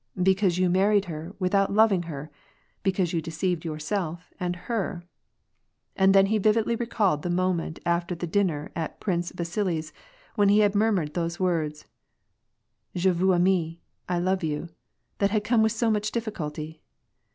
" Because you married her without loving her ; because you deceived yourself and her." And then he vividly recalled the moment after the dinner at Prince Vasili's, when he had murmured those words, "e/e ww aime — I love you," that had come with so much difficulty.